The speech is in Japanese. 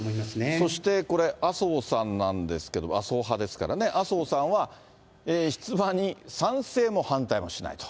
そして、これ麻生さんなんですけど麻生派ですからね、麻生さんは、出馬に賛成も反対もしないと。